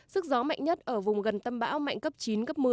sức gió mạnh nhất ở vùng gần tâm bão mạnh cấp chín cấp một mươi